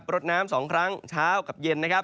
รดน้ำ๒ครั้งเช้ากับเย็น